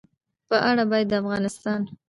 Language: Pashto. په اړه باید د افغانستان